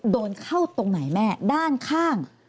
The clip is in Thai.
โดนเข้าตรงไหนแม่ด้านข้าง